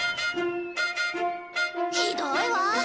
ひどいわ！